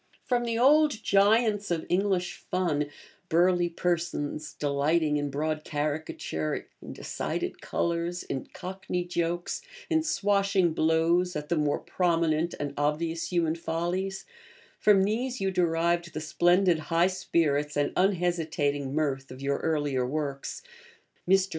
From the old giants of English fun burly persons delighting in broad caricature, in decided colours, in cockney jokes, in swashing blows at the more prominent and obvious human follies from these you derived the splendid high spirits and unhesitating mirth of your earlier works. Mr.